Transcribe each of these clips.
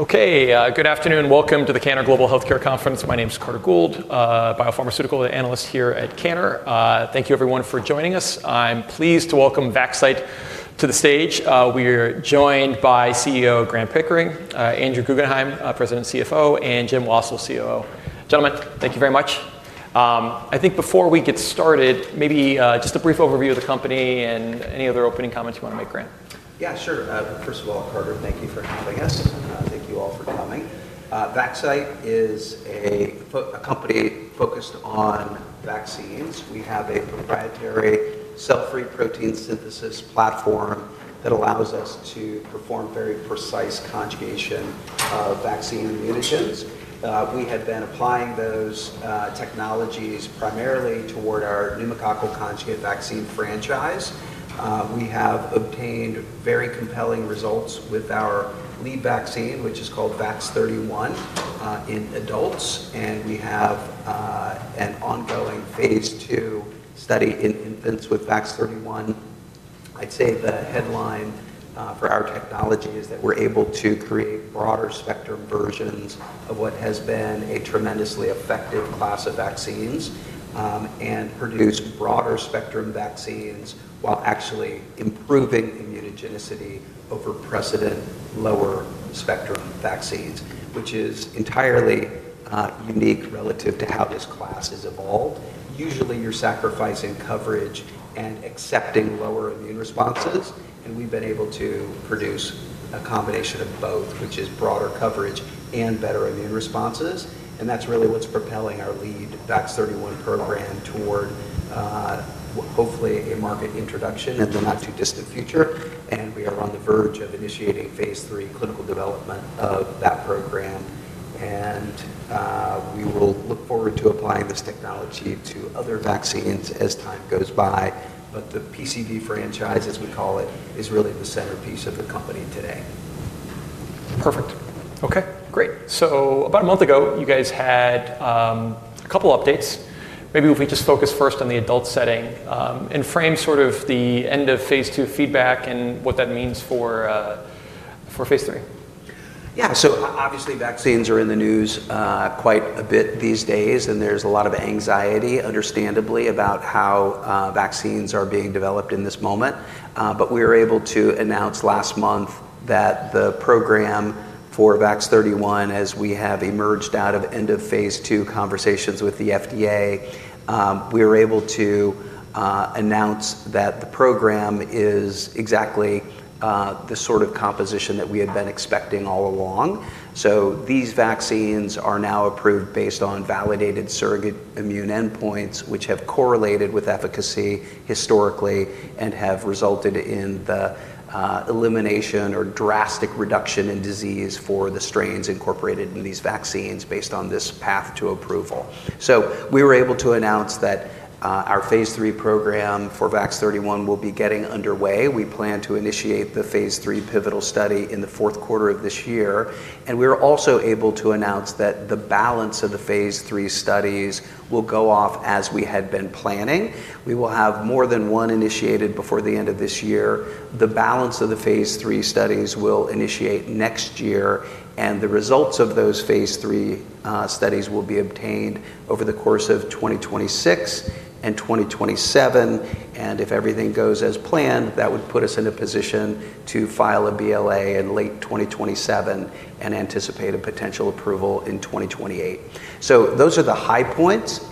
Okay, good afternoon. Welcome to the Cantor Global Healthcare Conference. My name is Carter Gould, Biopharmaceutical Analyst here at Cantor. Thank you everyone for joining us. I'm pleased to welcome Vaxcyte to the stage. We're joined by CEO Grant Pickering, Andrew Guggenhime, President and CFO, and Jim Wassil, COO. Gentlemen, thank you very much. I think before we get started, maybe just a brief overview of the company and any other opening comments you wanna make, Grant? Yeah, sure. First of all, Carter, thank you for having us, and thank you all for coming. Vaxcyte is a company focused on vaccines. We have a proprietary cell-free protein synthesis platform that allows us to perform very precise conjugation of vaccine immunogens. We have been applying those technologies primarily toward our pneumococcal conjugate vaccine franchise. We have obtained very compelling results with our lead vaccine, which is called VAX-31 in adults, and we have an ongoing phase II study in infants with VAX-31. I'd say the headline for our technology is that we're able to create broader spectrum versions of what has been a tremendously effective class of vaccines, and produce broader spectrum vaccines while actually improving immunogenicity over precedent lower spectrum vaccines, which is entirely unique relative to how this class has evolved. Usually, you're sacrificing coverage and accepting lower immune responses, and we've been able to produce a combination of both, which is broader coverage and better immune responses, and that's really what's propelling our lead VAX-31 program toward, hopefully, a market introduction in the not-too-distant future. And we are on the verge of initiating phase III clinical development of that program, and, we will look forward to applying this technology to other vaccines as time goes by. But the PCV franchise, as we call it, is really the centerpiece of the company today. Perfect. Okay, great. So about a month ago, you guys had a couple updates. Maybe if we just focus first on the adult setting, and frame sort of the end of phase II feedback and what that means for phase III. Yeah. So obviously, vaccines are in the news quite a bit these days, and there's a lot of anxiety, understandably, about how vaccines are being developed in this moment. But we were able to announce last month that the program for VAX-31, as we have emerged out of end-of-phase II conversations with the FDA, we were able to announce that the program is exactly the sort of composition that we had been expecting all along. So these vaccines are now approved based on validated surrogate immune endpoints, which have correlated with efficacy historically and have resulted in the elimination or drastic reduction in disease for the strains incorporated in these vaccines, based on this path to approval. So we were able to announce that our phase III program for VAX-31 will be getting underway. We plan to initiate the phase III pivotal study in the fourth quarter of this year, and we were also able to announce that the balance of the phase III studies will go off as we had been planning. We will have more than one initiated before the end of this year. The balance of the phase III studies will initiate next year, and the results of those phase III studies will be obtained over the course of 2026 and 2027, and if everything goes as planned, that would put us in a position to file a BLA in late 2027 and anticipate a potential approval in 2028. So those are the high points,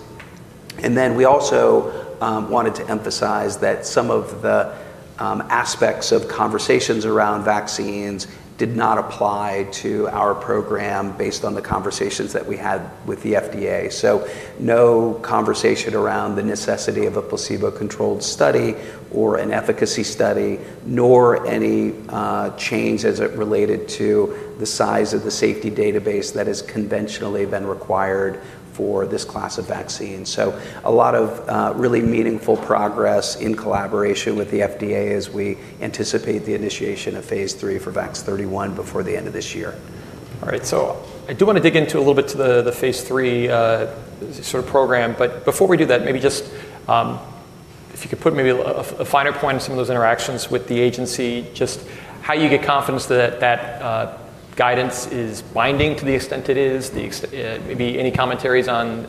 and then we also wanted to emphasize that some of the aspects of conversations around vaccines did not apply to our program, based on the conversations that we had with the FDA. So no conversation around the necessity of a placebo-controlled study or an efficacy study, nor any change as it related to the size of the safety database that has conventionally been required for this class of vaccines. So a lot of really meaningful progress in collaboration with the FDA as we anticipate the initiation of phase III for VAX-31 before the end of this year. All right, so I do wanna dig into a little bit to the phase III sort of program, but before we do that, maybe just if you could put maybe a finer point on some of those interactions with the agency, just how you get confidence that that guidance is binding to the extent it is, maybe any commentaries on,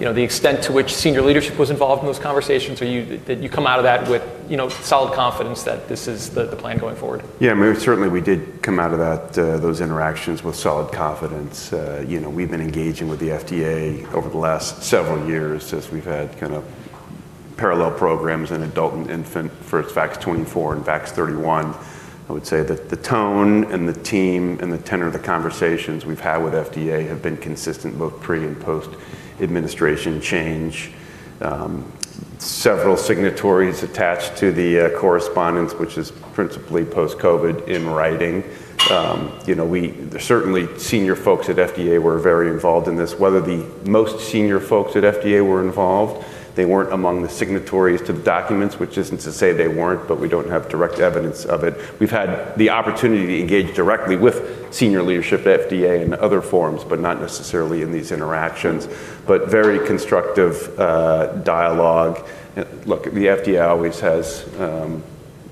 you know, the extent to which senior leadership was involved in those conversations? Or did you come out of that with, you know, solid confidence that this is the plan going forward? Yeah, I mean, certainly we did come out of that, those interactions with solid confidence. You know, we've been engaging with the FDA over the last several years as we've had kind of parallel programs in adult and infant for VAX-24 and VAX-31. I would say that the tone, and the team, and the tenor of the conversations we've had with FDA have been consistent, both pre- and post-administration change. Several signatories attached to the correspondence, which is principally post-COVID in writing. You know, we certainly, senior folks at FDA were very involved in this. Whether the most senior folks at FDA were involved, they weren't among the signatories to the documents, which isn't to say they weren't, but we don't have direct evidence of it. We've had the opportunity to engage directly with senior leadership at FDA in other forums, but not necessarily in these interactions. But very constructive dialogue, and look, the FDA always has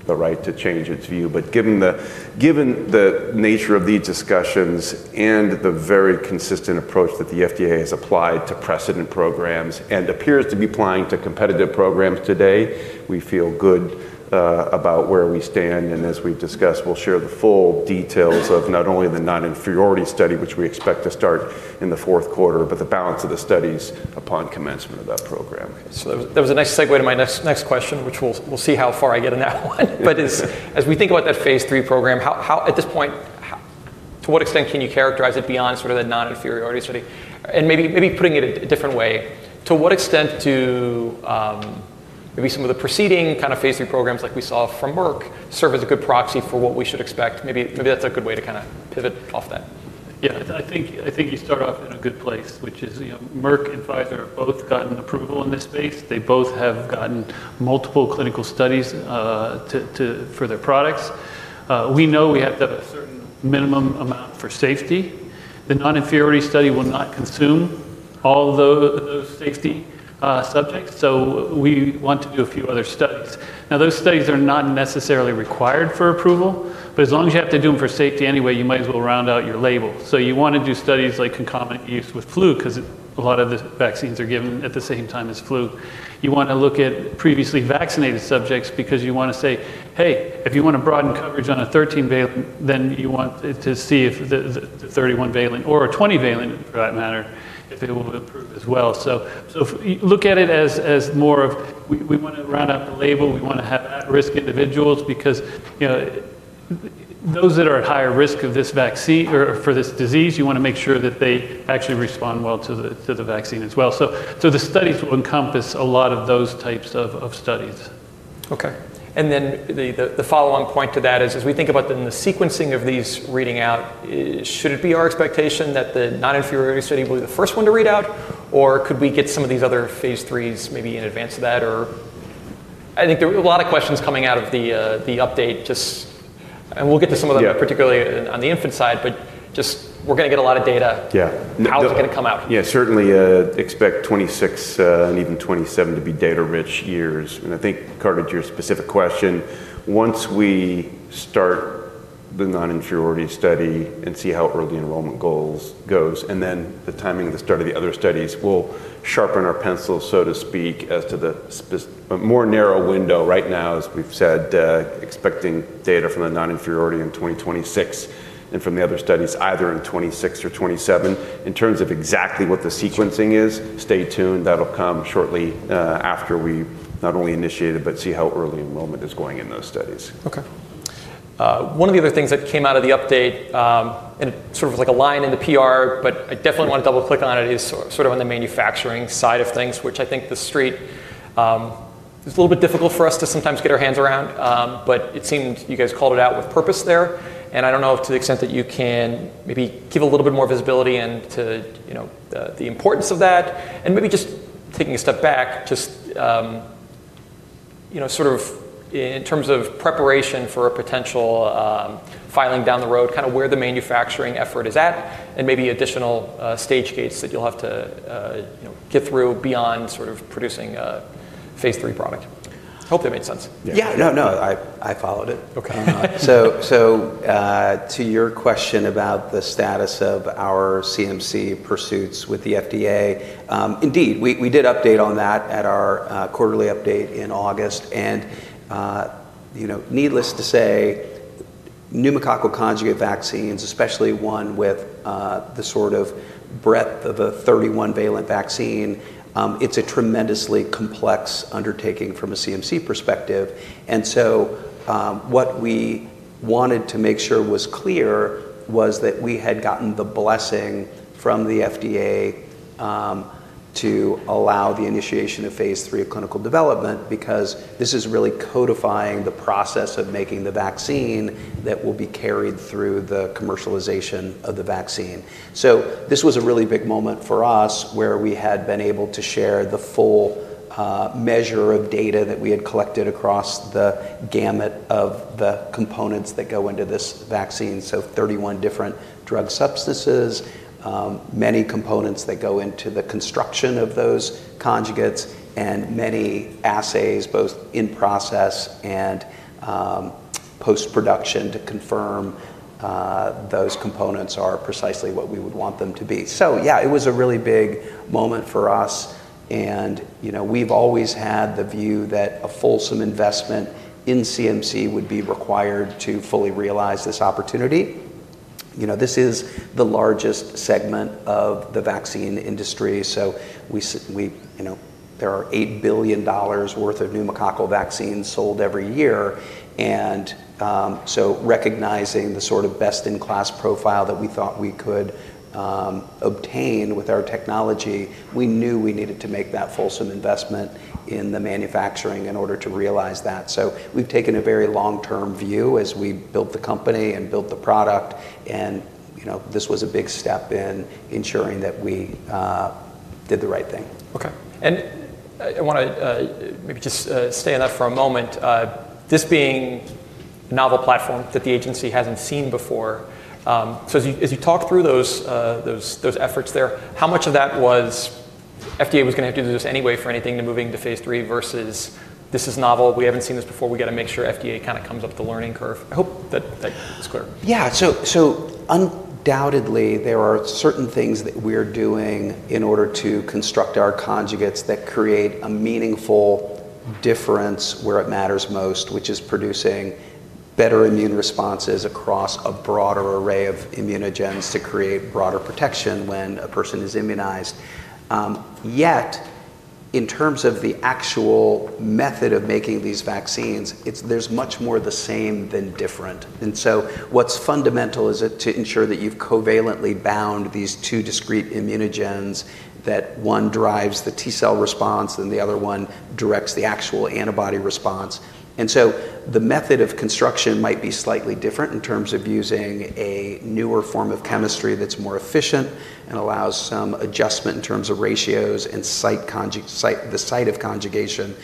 the right to change its view. But given the nature of these discussions and the very consistent approach that the FDA has applied to precedent programs, and appears to be applying to competitive programs today, we feel good about where we stand. And as we've discussed, we'll share the full details of not only the non-inferiority study, which we expect to start in the fourth quarter, but the balance of the studies upon commencement of that program. That was a nice segue to my next question, which we'll see how far I get on that one. But as we think about that phase III program, how at this point to what extent can you characterize it beyond sort of the non-inferiority study? And maybe putting it a different way, to what extent do maybe some of the preceding kind of phase III programs, like we saw from Merck, serve as a good proxy for what we should expect? Maybe that's a good way to kind of pivot off that. Yeah, I think, I think you start off in a good place, which is, you know, Merck and Pfizer have both gotten approval in this space. They both have gotten multiple clinical studies to for their products. We know we have to have a certain minimum amount for safety. The non-inferiority study will not consume all the, those safety subjects, so we want to do a few other studies. Now, those studies are not necessarily required for approval, but as long as you have to do them for safety anyway, you might as well round out your label. So you want to do studies like concomitant use with flu, 'cause a lot of the vaccines are given at the same time as flu. You want to look at previously vaccinated subjects because you want to say, "Hey, if you want to broaden coverage on a 13-valent," then you want it to see if the 31-valent, or a 20-valent, for that matter, if it will improve as well. So if... Look at it as more of we want to round out the label. We want to have at-risk individuals, because, you know, those that are at higher risk of this vaccine, or for this disease. You want to make sure that they actually respond well to the vaccine as well. So the studies will encompass a lot of those types of studies. Okay. And then the follow-on point to that is, as we think about the sequencing of these reading out, should it be our expectation that the non-inferiority study will be the first one to read out, or could we get some of these other phase III's maybe in advance of that? Or... I think there were a lot of questions coming out of the update, just... And we'll get to some of them- Yeah... particularly on the infant side, but just, we're gonna get a lot of data. Yeah. How is it gonna come out? Yeah, certainly, expect 2026 and even 2027 to be data-rich years. And I think, Carter, to your specific question, once we start the non-inferiority study and see how early enrollment goals goes, and then the timing of the start of the other studies, we'll sharpen our pencil, so to speak, as to a more narrow window. Right now, as we've said, expecting data from the non-inferiority in 2026, and from the other studies either in 2026 or 2027. In terms of exactly what the sequencing is, stay tuned. That'll come shortly, after we not only initiate it, but see how early enrollment is going in those studies. Okay. One of the other things that came out of the update, and sort of like a line in the PR, but I definitely- Yeah... want to double-click on it, is sort of on the manufacturing side of things, which I think the Street, it's a little bit difficult for us to sometimes get our hands around, but it seemed you guys called it out with purpose there, and I don't know, to the extent that you can maybe give a little bit more visibility into, you know, the importance of that, and maybe just taking a step back, just, you know, sort of in terms of preparation for a potential filing down the road, kind of where the manufacturing effort is at, and maybe additional stage gates that you'll have to you know get through beyond sort of producing a phase III product. Hope that made sense. Yeah. No, no, I followed it. Okay. So, to your question about the status of our CMC pursuits with the FDA, indeed, we did update on that at our quarterly update in August. You know, needless to say, pneumococcal conjugate vaccines, especially one with the sort of breadth of a 31-valent vaccine, it's a tremendously complex undertaking from a CMC perspective. So, what we wanted to make sure was clear was that we had gotten the blessing from the FDA to allow the initiation of phase III of clinical development, because this is really codifying the process of making the vaccine that will be carried through the commercialization of the vaccine. So this was a really big moment for us, where we had been able to share the full measure of data that we had collected across the gamut of the components that go into this vaccine. So 31 different drug substances, many components that go into the construction of those conjugates, and many assays, both in process and post-production, to confirm those components are precisely what we would want them to be. So yeah, it was a really big moment for us and, you know, we've always had the view that a fulsome investment in CMC would be required to fully realize this opportunity. You know, this is the largest segment of the vaccine industry, so we, you know... There are $8 billion worth of pneumococcal vaccines sold every year. And, so recognizing the sort of best-in-class profile that we thought we could obtain with our technology, we knew we needed to make that fulsome investment in the manufacturing in order to realize that. So we've taken a very long-term view as we built the company and built the product and, you know, this was a big step in ensuring that we did the right thing. Okay, and I wanna maybe just stay on that for a moment. This novel platform that the agency hasn't seen before. So as you talk through those efforts there, how much of that was FDA was gonna have to do this anyway for anything moving to phase III versus, "This is novel. We haven't seen this before. We gotta make sure FDA kind of comes up the learning curve"? I hope that that is clear. Yeah, so, so undoubtedly, there are certain things that we're doing in order to construct our conjugates that create a meaningful difference where it matters most, which is producing better immune responses across a broader array of immunogens to create broader protection when a person is immunized. Yet, in terms of the actual method of making these vaccines, there's much more the same than different. And so what's fundamental is it to ensure that you've covalently bound these two discrete immunogens, that one drives the T-cell response, and the other one directs the actual antibody response. And so the method of construction might be slightly different in terms of using a newer form of chemistry that's more efficient and allows some adjustment in terms of ratios and site of conjugation.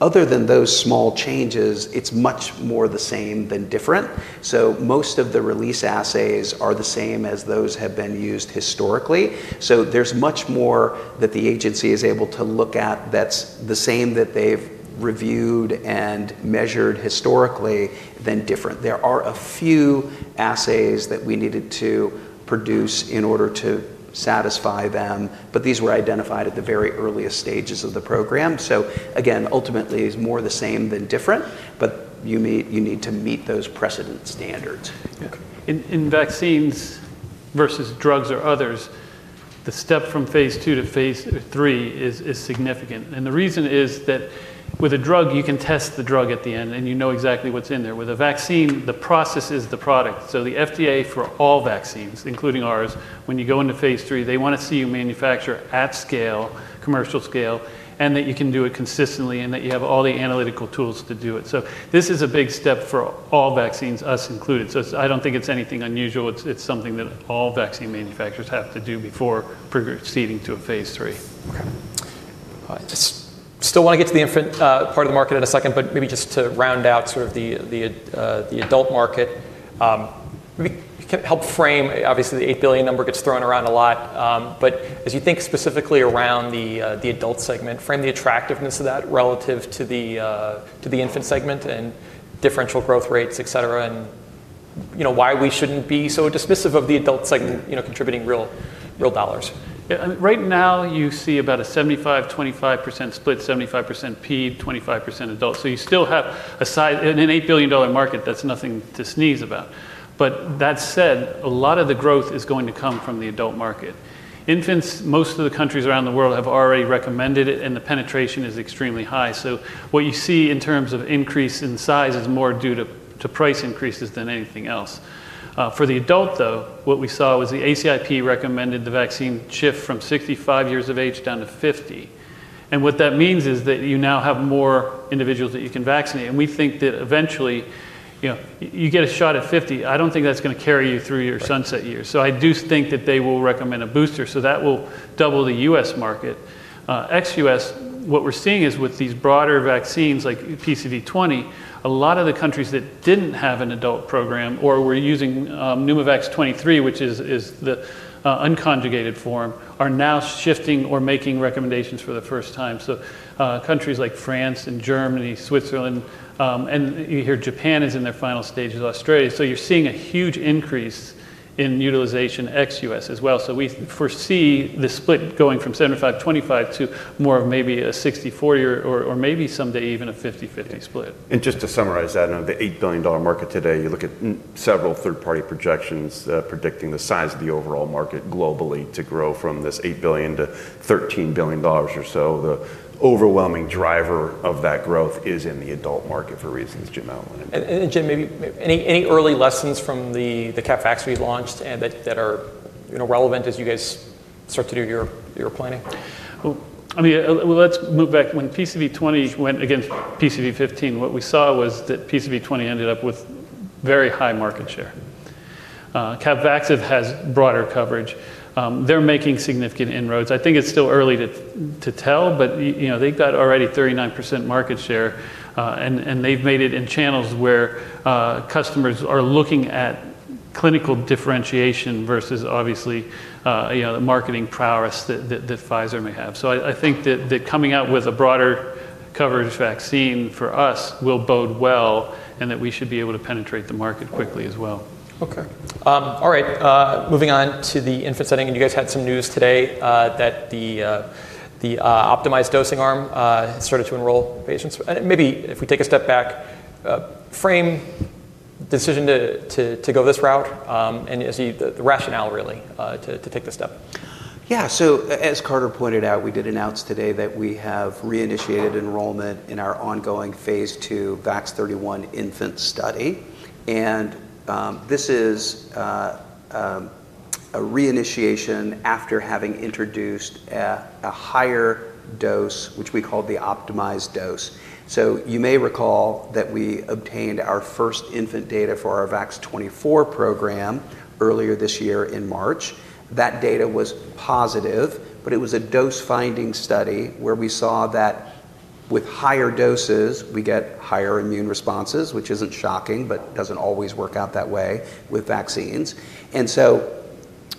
Other than those small changes, it's much more the same than different. So most of the release assays are the same as those have been used historically. So there's much more that the agency is able to look at that's the same that they've reviewed and measured historically than different. There are a few assays that we needed to produce in order to satisfy them, but these were identified at the very earliest stages of the program. So again, ultimately, it's more the same than different, but you need to meet those precedent standards. Okay. In vaccines versus drugs or others, the step from phase II to phase III is significant, and the reason is that with a drug, you can test the drug at the end, and you know exactly what's in there. With a vaccine, the process is the product, so the FDA for all vaccines, including ours, when you go into phase III, they want to see you manufacture at scale, commercial scale, and that you can do it consistently, and that you have all the analytical tools to do it, so this is a big step for all vaccines, us included. It's... I don't think it's anything unusual. It's something that all vaccine manufacturers have to do before proceeding to a phase III. Okay. Just still want to get to the infant part of the market in a second, but maybe just to round out sort of the adult market. Maybe you can help frame, obviously, the $8 billion number gets thrown around a lot, but as you think specifically around the adult segment, frame the attractiveness of that relative to the infant segment and differential growth rates, et cetera, and, you know, why we shouldn't be so dismissive of the adult segment- Mm-hmm... you know, contributing real, real dollars. Yeah, and right now, you see about a 75%-25% split, 75% peds, 25% adult. So you still have a size, an $8 billion market, that's nothing to sneeze about. But that said, a lot of the growth is going to come from the adult market. Infants, most of the countries around the world have already recommended it, and the penetration is extremely high. So what you see in terms of increase in size is more due to, to price increases than anything else. For the adult, though, what we saw was the ACIP recommended the vaccine shift from 65 years of age down to 50, and what that means is that you now have more individuals that you can vaccinate, and we think that eventually, you know, you get a shot at 50, I don't think that's gonna carry you through your sunset years. Right. So I do think that they will recommend a booster, so that will double the U.S. market. Ex-U.S., what we're seeing is with these broader vaccines, like PCV 20, a lot of the countries that didn't have an adult program or were using Pneumovax 23, which is the unconjugated form, are now shifting or making recommendations for the first time. Countries like France and Germany, Switzerland, and you hear Japan is in their final stages, Australia, so you're seeing a huge increase in utilization ex-U.S. as well. We foresee the split going from 75-25 to more of maybe a 60-40 or maybe someday even a 50-50 split. Just to summarize that, the $8 billion market today. You look at several third-party projections predicting the size of the overall market globally to grow from this $8 billion to $13 billion or so. The overwhelming driver of that growth is in the adult market for reasons Jim outlined. Jim, maybe any early lessons from the Capvaxive we launched, and that are, you know, relevant as you guys start to do your planning? I mean, well, let's move back. When PCV 20 went against PCV 15, what we saw was that PCV 20 ended up with very high market share. Capvaxive has broader coverage. They're making significant inroads. I think it's still early to tell, but you know, they've got already 39% market share, and they've made it in channels where customers are looking at clinical differentiation versus obviously you know, the marketing prowess that Pfizer may have. So I think that coming out with a broader coverage vaccine for us will bode well, and that we should be able to penetrate the market quickly as well. Okay. All right, moving on to the infant setting, and you guys had some news today that the optimized dosing arm started to enroll patients. Maybe if we take a step back, frame decision to go this route, and as the rationale really to take this step. Yeah. So as Carter pointed out, we did announce today that we have reinitiated enrollment in our ongoing phase II VAX-31 infant study, and this is a reinitiation after having introduced a higher dose, which we call the optimized dose. So you may recall that we obtained our first infant data for our VAX-24 program earlier this year in March. That data was positive, but it was a dose-finding study, where we saw that with higher doses, we get higher immune responses, which isn't shocking, but doesn't always work out that way with vaccines. And so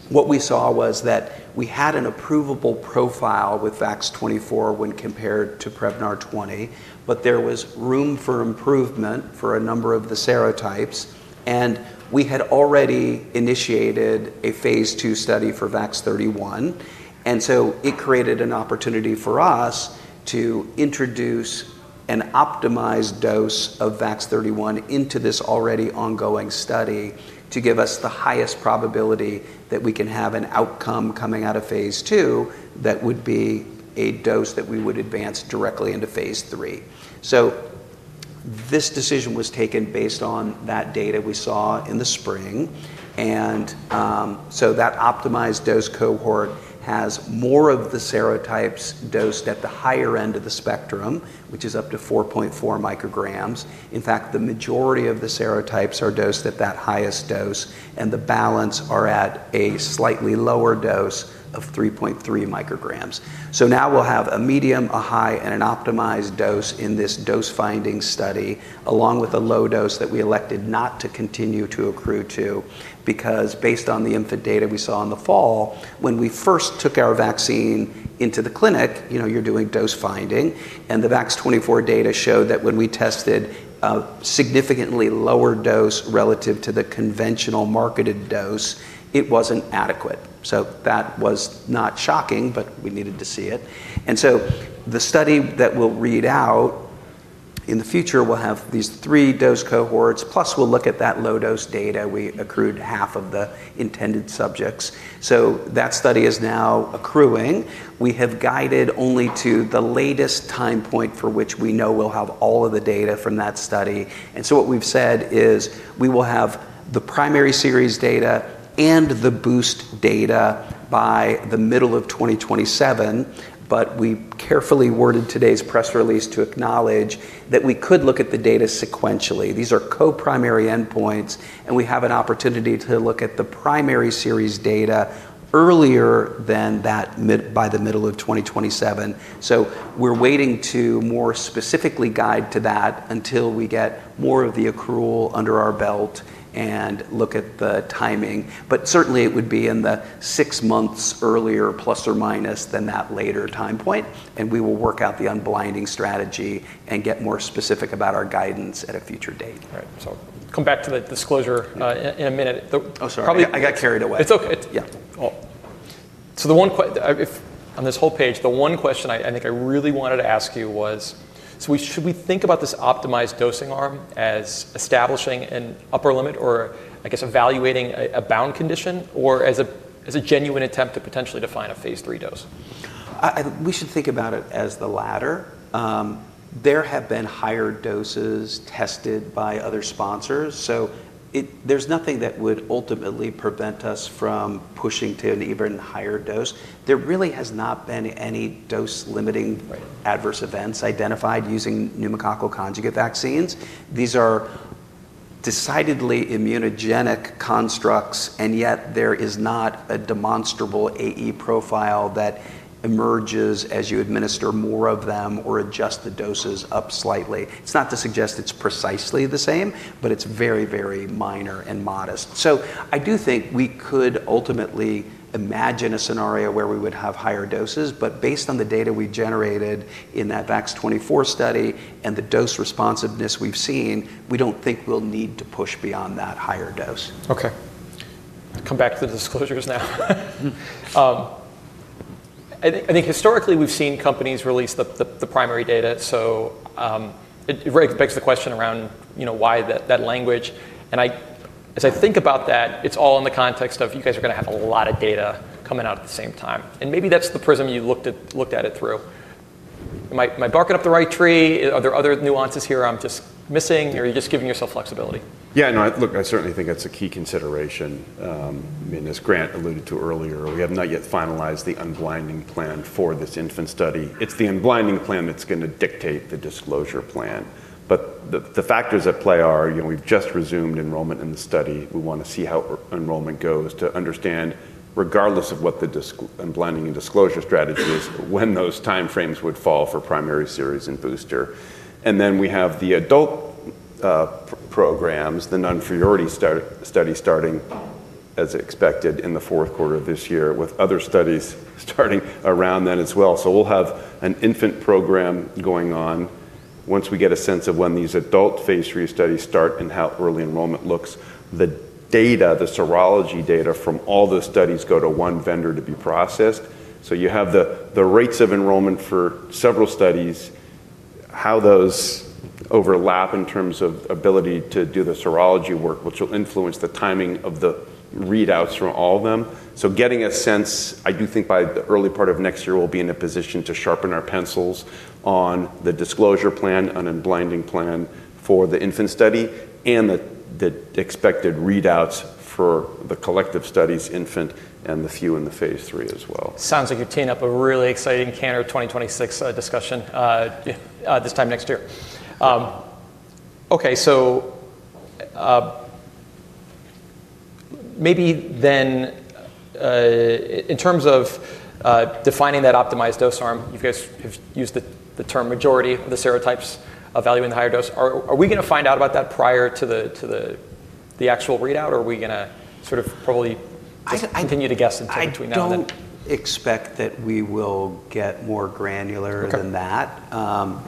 what we saw was that we had an approvable profile with VAX-24 when compared to Prevnar 20, but there was room for improvement for a number of the serotypes, and we had already initiated a phase II study for VAX-31. And so it created an opportunity for us to introduce an optimized dose of VAX-31 into this already ongoing study to give us the highest probability that we can have an outcome coming out of phase II that would be a dose that we would advance directly into phase III. So this decision was taken based on that data we saw in the spring, and so that optimized dose cohort has more of the serotypes dosed at the higher end of the spectrum, which is up to four point four micrograms. In fact, the majority of the serotypes are dosed at that highest dose, and the balance are at a slightly lower dose of three point three micrograms. So now we'll have a medium, a high, and an optimized dose in this dose-finding study, along with a low dose that we elected not to continue to accrue to. Because based on the infant data we saw in the fall, when we first took our vaccine into the clinic, you know, you're doing dose finding, and the VAX-24 data showed that when we tested a significantly lower dose relative to the conventional marketed dose, it wasn't adequate, so that was not shocking, but we needed to see it, and so the study that we'll read out in the future will have these three dose cohorts, plus we'll look at that low-dose data. We accrued half of the intended subjects, so that study is now accruing. We have guided only to the latest time point for which we know we'll have all of the data from that study. What we've said is, we will have the primary series data and the boost data by the middle of 2027, but we carefully worded today's press release to acknowledge that we could look at the data sequentially. These are co-primary endpoints, and we have an opportunity to look at the primary series data earlier than that by the middle of 2027. We're waiting to more specifically guide to that until we get more of the accrual under our belt and look at the timing. But certainly, it would be in the six months earlier, plus or minus, than that later time point, and we will work out the unblinding strategy and get more specific about our guidance at a future date. All right, so come back to the disclosure in a minute. The- Oh, sorry. Probably- I got carried away. It's okay. Yeah. On this whole page, the one question I think I really wanted to ask you was, so should we think about this optimized dosing arm as establishing an upper limit, or I guess, evaluating a bound condition, or as a genuine attempt to potentially define a phase III dose? We should think about it as the latter. There have been higher doses tested by other sponsors, so there's nothing that would ultimately prevent us from pushing to an even higher dose. There really has not been any dose-limiting- Right... adverse events identified using pneumococcal conjugate vaccines. These are decidedly immunogenic constructs, and yet there is not a demonstrable AE profile that emerges as you administer more of them or adjust the doses up slightly. It's not to suggest it's precisely the same, but it's very, very minor and modest. So I do think we could ultimately imagine a scenario where we would have higher doses, but based on the data we generated in that VAX-24 study and the dose responsiveness we've seen, we don't think we'll need to push beyond that higher dose. Okay. Come back to the disclosures now. I think historically, we've seen companies release the primary data, so it begs the question around, you know, why that language, and as I think about that, it's all in the context of you guys are gonna have a lot of data coming out at the same time, and maybe that's the prism you looked at it through. Am I barking up the right tree? Are there other nuances here I'm just missing, or are you just giving yourself flexibility? Yeah. No, look, I certainly think that's a key consideration. And as Grant alluded to earlier, we have not yet finalized the unblinding plan for this infant study. It's the unblinding plan that's gonna dictate the disclosure plan. But the factors at play are, you know, we've just resumed enrollment in the study. We want to see how enrollment goes to understand, regardless of what the unblinding and disclosure strategy is, when those time frames would fall for primary series and booster. And then we have the adult programs, the non-inferiority study starting as expected in the fourth quarter of this year, with other studies starting around then as well. So we'll have an infant program going on. Once we get a sense of when these adult phase III studies start and how early enrollment looks, the data, the serology data from all the studies go to one vendor to be processed, so you have the rates of enrollment for several studies, how those overlap in terms of ability to do the serology work, which will influence the timing of the readouts from all of them, so getting a sense, I do think by the early part of next year, we'll be in a position to sharpen our pencils on the disclosure plan, on unblinding plan for the infant study, and the expected readouts for the collective studies, infant and the adult in the phase III as well. Sounds like you're teeing up a really exciting VAX-24 2026 discussion this time next year. Okay, so maybe then in terms of defining that optimized dose arm, you guys have used the term majority of the serotypes of value in the higher dose. Are we going to find out about that prior to the actual readout, or are we going to sort of probably- I, I- Just continue to guess between now and then? I don't expect that we will get more granular than that. Okay.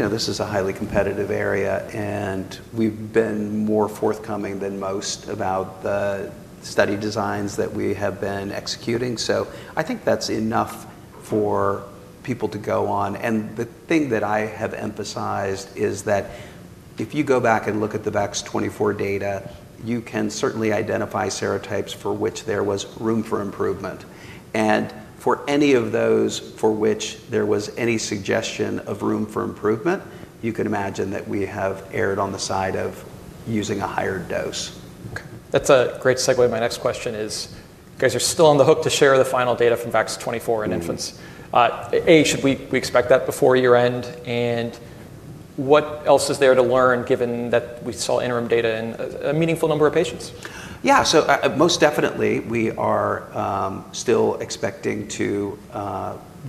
You know, this is a highly competitive area, and we've been more forthcoming than most about the study designs that we have been executing. So I think that's enough for people to go on. And the thing that I have emphasized is that if you go back and look at the VAX-24 data, you can certainly identify serotypes for which there was room for improvement. And for any of those for which there was any suggestion of room for improvement, you can imagine that we have erred on the side of using a higher dose. Okay, that's a great segue. My next question is, you guys are still on the hook to share the final data from VAX-24 in infants. Mm. Should we expect that before year-end? And what else is there to learn, given that we saw interim data in a meaningful number of patients? Yeah. So, most definitely, we are still expecting to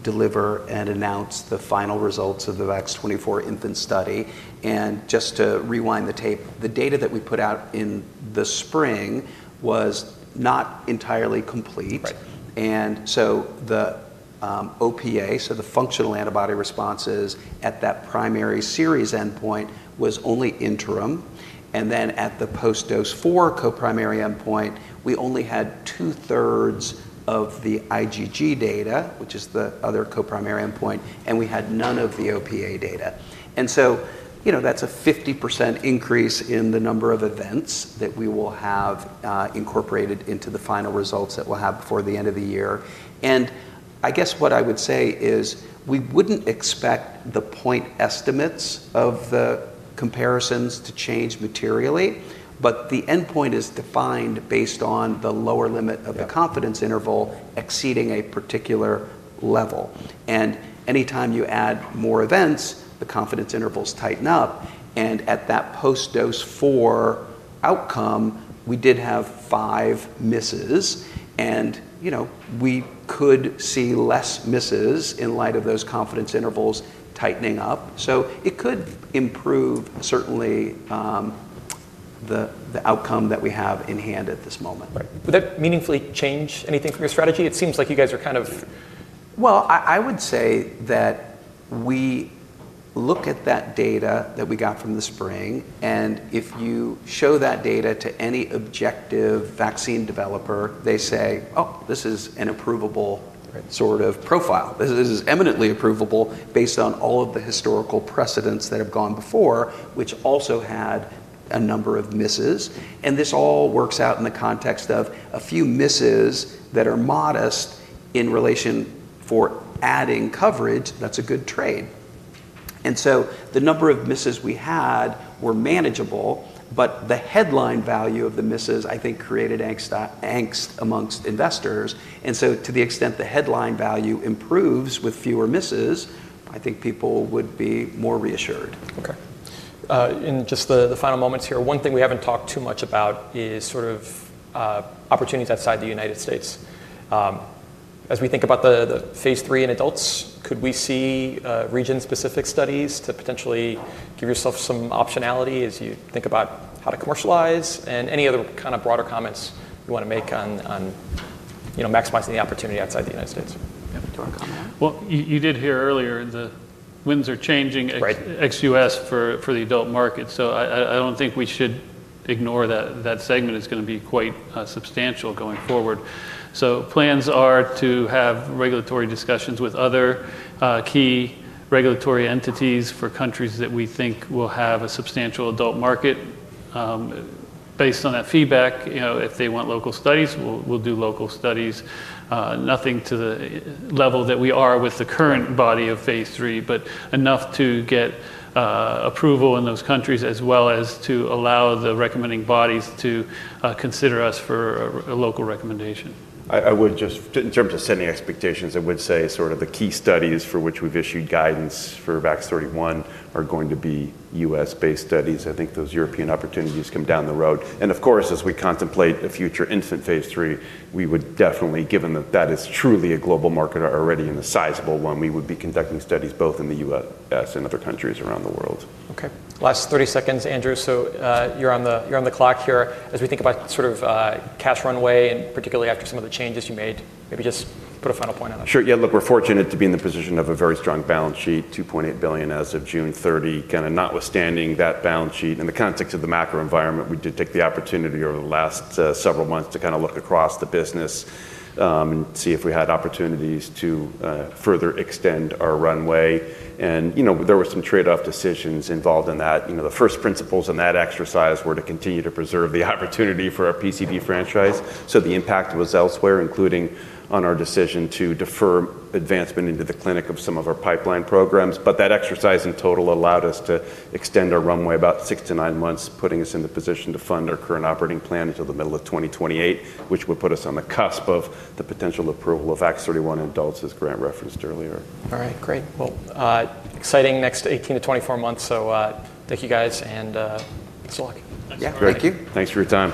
deliver and announce the final results of the VAX-24 infant study. And just to rewind the tape, the data that we put out in the spring was not entirely complete. Right. And so the OPA, so the functional antibody responses at that primary series endpoint, was only interim, and then at the post-dose-four co-primary endpoint, we only had two-thirds of the IgG data, which is the other co-primary endpoint, and we had none of the OPA data. And so, you know, that's a 50% increase in the number of events that we will have incorporated into the final results that we'll have before the end of the year. And I guess what I would say is, we wouldn't expect the point estimates of the comparisons to change materially, but the endpoint is defined based on the lower limit- Yeah... of the confidence interval exceeding a particular level. And anytime you add more events, the confidence intervals tighten up, and at that post-dose 4 outcome, we did have five misses. And, you know, we could see less misses in light of those confidence intervals tightening up, so it could improve, certainly, the outcome that we have in hand at this moment. Right. Would that meaningfully change anything from your strategy? It seems like you guys are kind of- I would say that we look at that data that we got from the spring, and if you show that data to any objective vaccine developer, they say, "Oh, this is an approvable- Right ... sort of profile. This is eminently approvable based on all of the historical precedents that have gone before, which also had a number of misses," and this all works out in the context of a few misses that are modest in relation for adding coverage, that's a good trade. And so the number of misses we had were manageable, but the headline value of the misses, I think, created angst, angst amongst investors. And so to the extent the headline value improves with fewer misses, I think people would be more reassured. Okay. In just the final moments here, one thing we haven't talked too much about is sort of opportunities outside the United States. As we think about the phase III in adults, could we see region-specific studies to potentially give yourself some optionality as you think about how to commercialize? And any other kind of broader comments you want to make on, you know, maximizing the opportunity outside the United States. You have a direct comment? You did hear earlier, the winds are changing- Right... ex-U.S. for the adult market, so I don't think we should ignore that. That segment is going to be quite substantial going forward. So plans are to have regulatory discussions with other key regulatory entities for countries that we think will have a substantial adult market. Based on that feedback, you know, if they want local studies, we'll do local studies. Nothing to the level that we are with the current body of phase III, but enough to get approval in those countries, as well as to allow the recommending bodies to consider us for a local recommendation. I would just in terms of setting expectations, I would say sort of the key studies for which we've issued guidance for VAX-31 are going to be U.S.-based studies. I think those European opportunities come down the road. And of course, as we contemplate a future infant phase III, we would definitely, given that that is truly a global market, already and a sizable one, we would be conducting studies both in the U.S. and other countries around the world. Okay, last 30 seconds, Andrew, so you're on the clock here. As we think about sort of cash runway, and particularly after some of the changes you made, maybe just put a final point on that. Sure. Yeah, look, we're fortunate to be in the position of a very strong balance sheet, $2.8 billion as of June 30. Kind of notwithstanding that balance sheet in the context of the macro environment, we did take the opportunity over the last several months to kind of look across the business and see if we had opportunities to further extend our runway. And, you know, there were some trade-off decisions involved in that. You know, the first principles in that exercise were to continue to preserve the opportunity for our PCV franchise. So the impact was elsewhere, including on our decision to defer advancement into the clinic of some of our pipeline programs. But that exercise, in total, allowed us to extend our runway about six to nine months, putting us in the position to fund our current operating plan until the middle of 2028, which would put us on the cusp of the potential approval of VAX-31 in adults, as Grant referenced earlier. All right. Great. Well, exciting next 18-24 months, so thank you, guys, and best of luck. Yeah. Thank you. Thanks for your time.